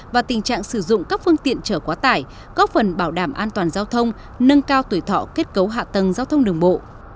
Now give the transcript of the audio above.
và tình trạng sử dụng các phương tiện trở quá tải góp phần bảo đảm an toàn giao thông nâng cao tuổi thọ kết cấu hạ tầng giao thông đường bộ